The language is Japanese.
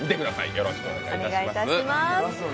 よろしくお願いします。